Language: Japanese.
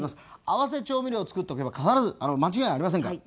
合わせ調味料をつくっておけば必ず間違いありませんから。